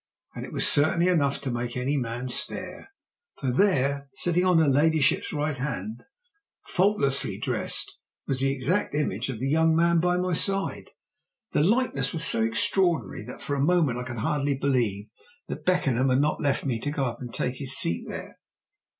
And it was certainly enough to make any man stare, for there, sitting on her ladyship's right hand, faultlessly dressed, was the exact image of the young man by my side. The likeness was so extraordinary that for a moment I could hardly believe that Beckenham had not left me to go up and take his seat there.